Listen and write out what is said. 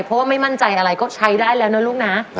เพราะว่าไม่มั่นใจอะไรก็ใช้ได้แล้วนะลูกนะ